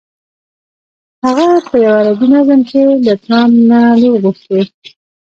هغه په یوه عربي نظم کې له ټرمپ نه لور غوښتې.